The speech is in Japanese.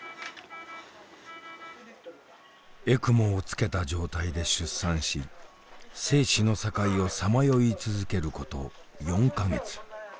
ＥＣＭＯをつけた状態で出産し生死の境をさまよい続けること４か月。